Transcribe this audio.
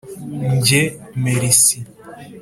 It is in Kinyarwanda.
njye: merci !